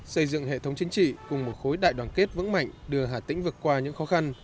xây dựng hệ thống chính trị cùng một khối đại đoàn kết vững mạnh đưa hà tĩnh vượt qua những khó khăn